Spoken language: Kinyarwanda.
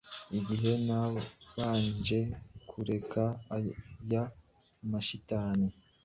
Igihe nabanje kureka aya mashitani,